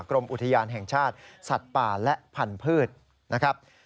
กรมอุทยานแห่งชาติสัตว์ป่าและพันธุ์นะครับ